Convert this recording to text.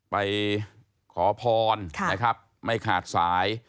ไปขอพรนะครับไม่ขาดสาย